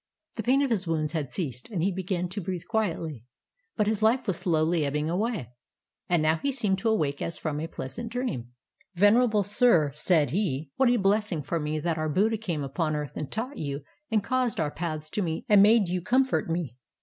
The pain of his wounds had ceased, and he began to breathe quietly; but his life was slowly ebbing away, and now he seemed to awake as from a pleasant dream. "Venerable sir," said he, "what a blessing for me that the Buddha came upon earth and taught you and caused our paths to meet and made you comfort me.